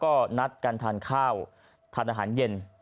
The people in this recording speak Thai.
ก็นัดการทานข้าวกับธนาหารเย็ม